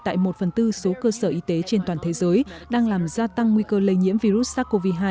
tại một phần tư số cơ sở y tế trên toàn thế giới đang làm gia tăng nguy cơ lây nhiễm virus sars cov hai